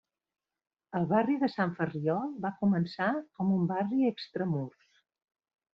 El barri de Sant Ferriol va començar com un barri extramurs.